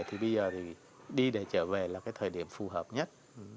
thì bây giờ thì đi để trở về là cái thời điểm phù hợp nhất